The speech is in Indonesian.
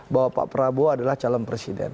bahwa pak prabowo adalah calon presiden